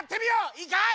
いいかい？